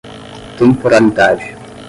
temporalidade